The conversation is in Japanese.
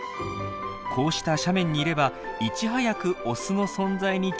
こうした斜面にいればいち早くオスの存在に気付くことができるんです。